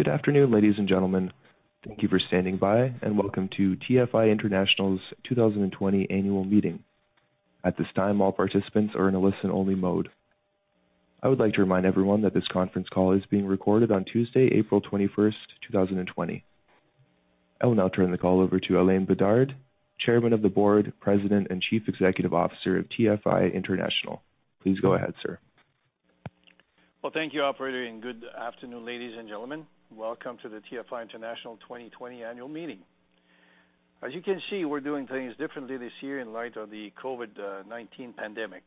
Good afternoon, ladies and gentlemen. Thank you for standing by, and welcome to TFI International's 2020 Annual Meeting. At this time, all participants are in a listen-only mode. I would like to remind everyone that this conference call is being recorded on Tuesday, April 21st, 2020. I will now turn the call over to Alain Bédard, Chairman of the Board, President, and Chief Executive Officer of TFI International. Please go ahead, sir. Well, thank you operator, and good afternoon, ladies and gentlemen. Welcome to the TFI International 2020 annual meeting. As you can see, we're doing things differently this year in light of the COVID-19 pandemic.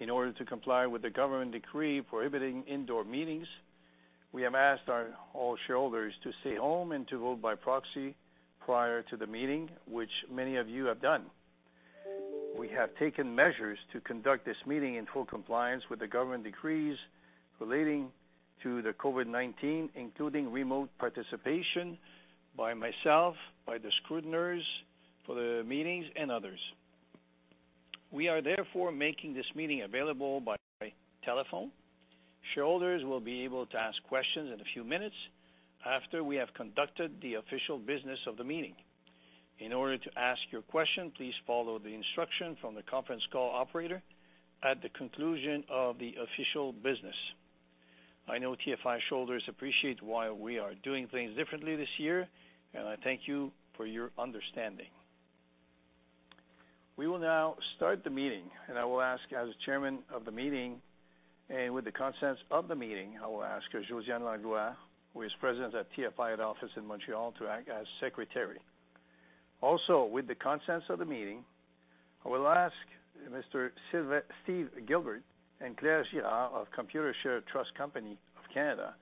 In order to comply with the government decree prohibiting indoor meetings, we have asked all shareholders to stay home and to vote by proxy prior to the meeting, which many of you have done. We have taken measures to conduct this meeting in full compliance with the government decrees relating to the COVID-19, including remote participation by myself, by the scrutineers for the meetings, and others. We are therefore making this meeting available by telephone. Shareholders will be able to ask questions in a few minutes after we have conducted the official business of the meeting. In order to ask your question, please follow the instruction from the conference call operator at the conclusion of the official business. I know TFI shareholders appreciate why we are doing things differently this year, and I thank you for your understanding. We will now start the meeting, and I will ask, as chairman of the meeting, and with the consent of the meeting, I will ask Josiane Langlois, who is President at TFI at office in Montreal, to act as secretary. Also, with the consent of the meeting, I will ask Mr. Steve Gilbert and Claire Girard of Computershare Trust Company of Canada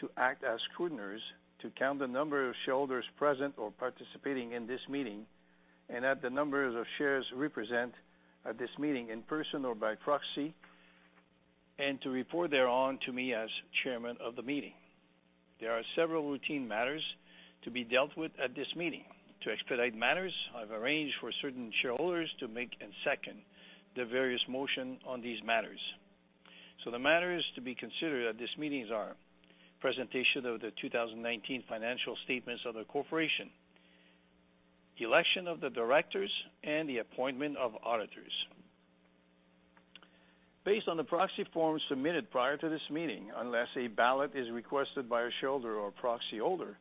to act as scrutineers to count the number of shareholders present or participating in this meeting, and that the numbers of shares represent at this meeting, in person or by proxy, and to report thereon to me as chairman of the meeting. There are several routine matters to be dealt with at this meeting. To expedite matters, I've arranged for certain shareholders to make and second the various motion on these matters. The matters to be considered at these meetings are presentation of the 2019 financial statements of the corporation, election of the directors, and the appointment of auditors. Based on the proxy forms submitted prior to this meeting, unless a ballot is requested by a shareholder or proxy holder,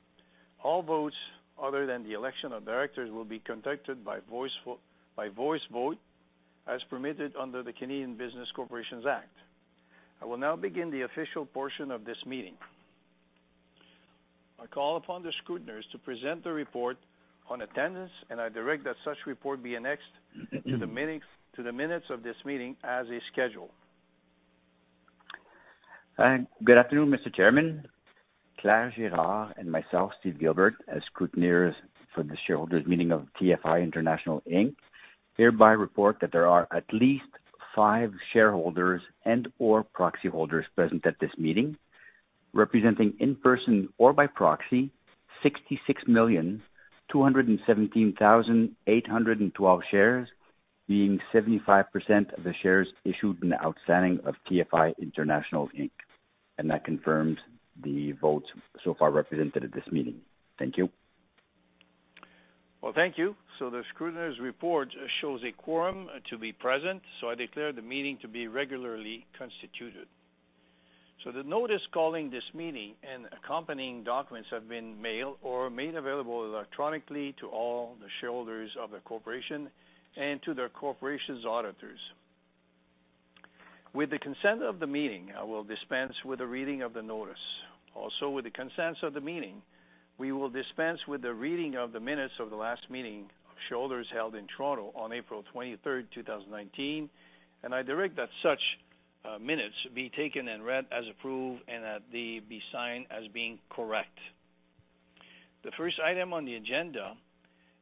all votes other than the election of directors will be conducted by voice vote as permitted under the Canada Business Corporations Act. I will now begin the official portion of this meeting. I call upon the scrutineers to present the report on attendance, and I direct that such report be annexed to the minutes of this meeting as a schedule. Good afternoon, Mr. Chairman. Claire Girard and myself, Steve Gilbert, as scrutineers for the shareholders' meeting of TFI International Inc., hereby report that there are at least five shareholders and/or proxy holders present at this meeting, representing in person or by proxy 66,217,812 shares, being 75% of the shares issued and outstanding of TFI International Inc. That confirms the votes so far represented at this meeting. Thank you. Well, thank you. The scrutineers report shows a quorum to be present, so I declare the meeting to be regularly constituted. The notice calling this meeting and accompanying documents have been mailed or made available electronically to all the shareholders of the corporation and to the corporation's auditors. With the consent of the meeting, I will dispense with the reading of the notice. Also, with the consent of the meeting, we will dispense with the reading of the minutes of the last meeting of shareholders held in Toronto on April 23rd, 2019, and I direct that such minutes be taken and read as approved and that they be signed as being correct. The first item on the agenda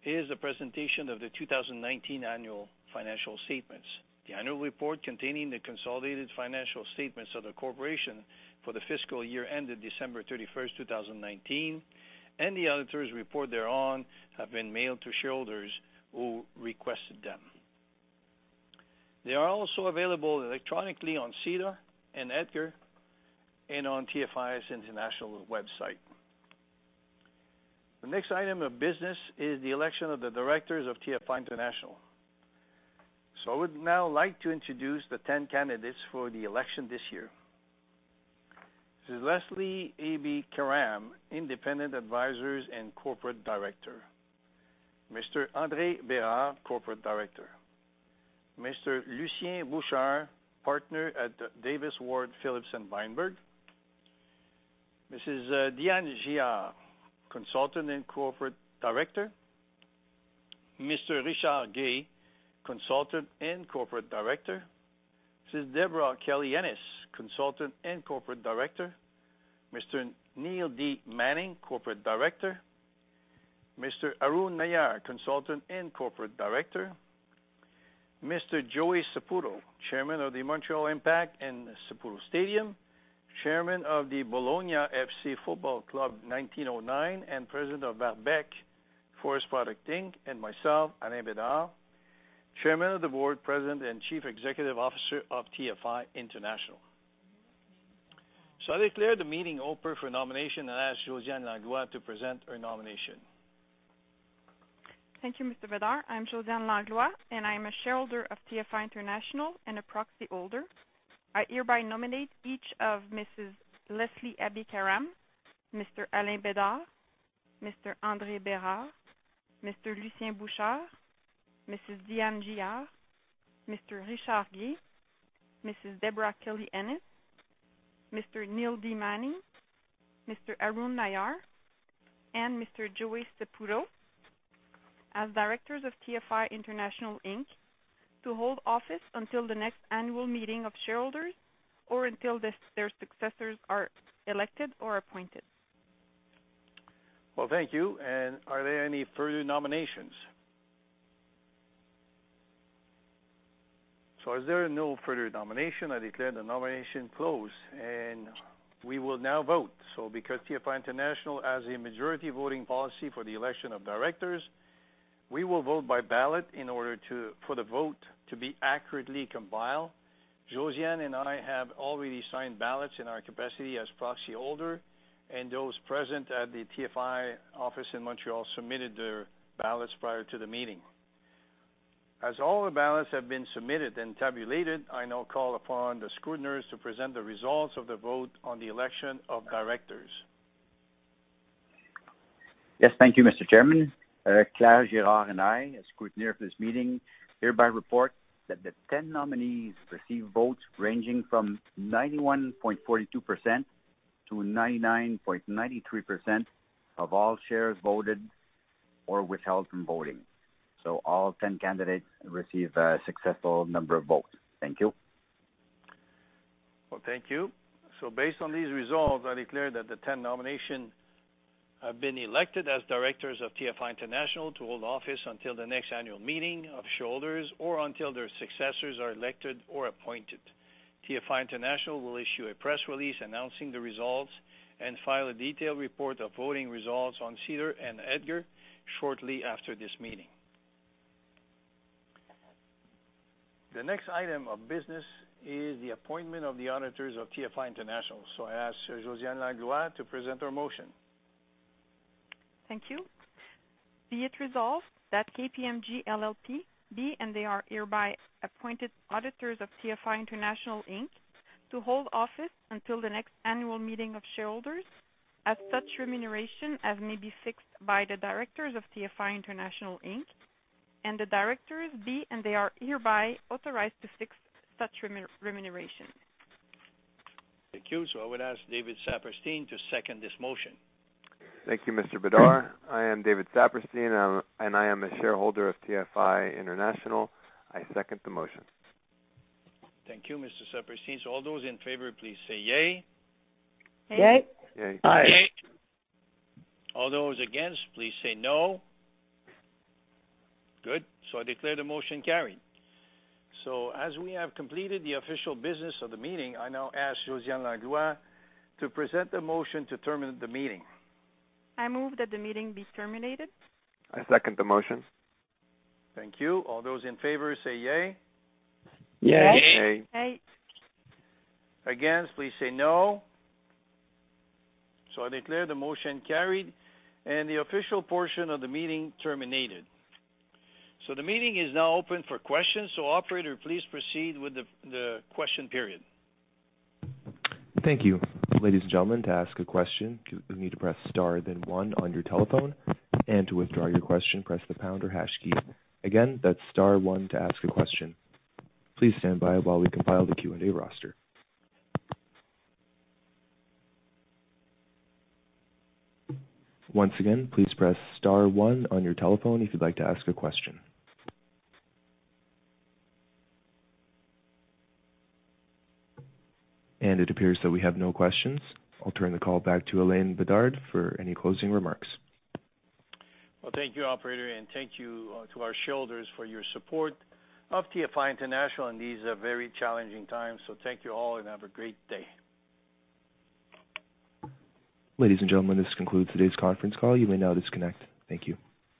is a presentation of the 2019 annual financial statements. The annual report containing the consolidated financial statements of the corporation for the fiscal year ended December 31st, 2019, and the auditors' report thereon have been mailed to shareholders who requested them. They are also available electronically on SEDAR and EDGAR and on TFI International's website. The next item of business is the election of the directors of TFI International. I would now like to introduce the 10 candidates for the election this year. Mrs. Leslie Abi-Karam, Independent Advisor and Corporate Director. Mr. André Bérard, Corporate Director. Mr. Lucien Bouchard, Partner at Davies Ward Phillips & Vineberg. Mrs. Diane Giard, Consultant and Corporate Director. Mr. Richard Guay, Consultant and Corporate Director. Mrs. Debra Kelly-Ennis, Consultant and Corporate Director. Mr. Neil D. Manning, Corporate Director. Mr. Arun Nayar, Consultant and Corporate Director. Mr. Joey Saputo, Chairman of the Montreal Impact and Saputo Stadium, Chairman of the Bologna F.C. 1909, and President of Arbec Forest Products Inc. Myself, Alain Bédard, Chairman of the Board, President, and Chief Executive Officer of TFI International. I declare the meeting open for nomination and ask Josiane Langlois to present her nomination. Thank you, Mr. Bédard. I'm Josiane Langlois, and I am a shareholder of TFI International and a proxy holder. I hereby nominate each of Mrs. Leslie Abi-Karam, Mr. Alain Bédard, Mr. André Bérard, Mr. Lucien Bouchard, Mrs. Diane Giard, Mr. Richard Guay, Mrs. Debra Kelly-Ennis, Mr. Neil D. Manning, Mr. Arun Nayar, and Mr. Joey Saputo as directors of TFI International Inc. to hold office until the next annual meeting of shareholders or until their successors are elected or appointed. Well, thank you. Are there any further nominations? I declare the nominations closed, and we will now vote. Because TFI International has a majority voting policy for the election of directors, we will vote by ballot in order for the vote to be accurately compiled. Josiane and I have already signed ballots in our capacity as proxy holder, and those present at the TFI office in Montreal submitted their ballots prior to the meeting. As all the ballots have been submitted and tabulated, I now call upon the scrutineers to present the results of the vote on the election of directors. Yes. Thank you, Mr. Chairman. Claire Girard and I, as Scrutineer for this meeting, hereby report that the 10 nominees received votes ranging from 91.42%-99.93% of all shares voted or withheld from voting. All 10 candidates received a successful number of votes. Thank you. Well, thank you. Based on these results, I declare that the 10 nomination have been elected as directors of TFI International to hold office until the next annual meeting of shareholders or until their successors are elected or appointed. TFI International will issue a press release announcing the results and file a detailed report of voting results on SEDAR and EDGAR shortly after this meeting. The next item of business is the appointment of the auditors of TFI International, I ask Josiane Langlois to present her motion. Thank you. Be it resolved that KPMG LLP be, and they are hereby appointed auditors of TFI International Inc. to hold office until the next annual meeting of shareholders at such remuneration as may be fixed by the directors of TFI International Inc., and the directors be, and they are hereby authorized to fix such remuneration. Thank you. I would ask David Saperstein to second this motion. Thank you, Mr. Bédard. I am David Saperstein, and I am a shareholder of TFI International. I second the motion. Thank you, Mr. Saperstein. All those in favor, please say yay. Yay. Yay. All those against, please say no. Good. I declare the motion carried. As we have completed the official business of the meeting, I now ask Josiane Langlois to present the motion to terminate the meeting. I move that the meeting be terminated. I second the motion. Thank you. All those in favor say yay. Yay. Yay. Against, please say no. I declare the motion carried and the official portion of the meeting terminated. The meeting is now open for questions. Operator, please proceed with the question period. Thank you. Ladies and gentlemen, to ask a question, you need to press star then one on your telephone, and to withdraw your question, press the pound or hash key. Again, that's star one to ask a question. Please stand by while we compile the Q&A roster. Once again, please press star one on your telephone if you'd like to ask a question. It appears that we have no questions. I'll turn the call back to Alain Bédard for any closing remarks. Well, thank you, operator, and thank you to our shareholders for your support of TFI International in these very challenging times. Thank you all, and have a great day. Ladies and gentlemen, this concludes today's conference call. You may now disconnect. Thank you.